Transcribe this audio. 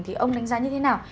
thì ông đánh giá như thế nào